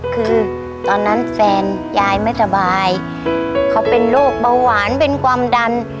คือตอนนั้นแฟนยายไม่สบายเขาเป็นโรคเบาหวานเป็นความดัน